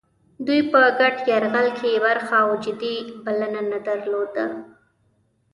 دوی په ګډ یرغل کې برخه او جدي بلنه نه درلوده.